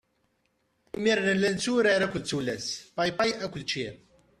Imir-n nella netturar akked tullas paypay akked ččir.